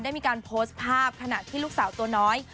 ได้มีการโพสต์ภาพขณะที่ลูกสาวตัวน้อย